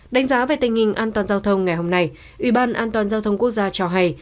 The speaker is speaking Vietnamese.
đánh giá về tình hình an toàn giao thông ngày hôm nay ủy ban an toàn giao thông quốc gia cho hay